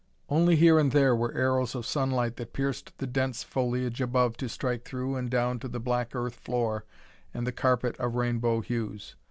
Only here and there were arrows of sunlight that pierced the dense foliage above to strike through and down to the black earth floor and the carpet of rainbow hues.